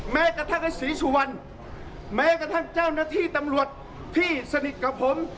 แม้กระทั่งไอ้ศรีสุวรรณแม้กระทั่งเจ้าหน้าที่ตำรวจที่สนิทกับผม